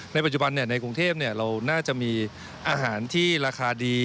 ในปัจจุบันในกรุงเทพเราน่าจะมีอาหารที่ราคาดี